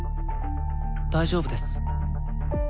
大丈夫です。